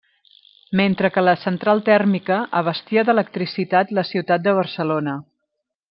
Mentre que la central tèrmica abastia d'electricitat la ciutat de Barcelona.